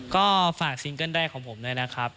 ก็ฝากซิงเกิ้ลแรกของผมด้วยนะครับ